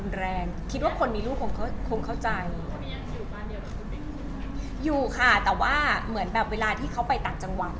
น้องคอยดูแลแต่ก็จะมีเพื่อนอะไรอย่างเงี้ย